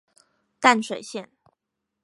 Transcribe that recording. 淡水線